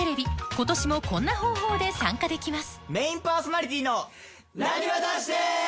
今年もこんな方法で参加できます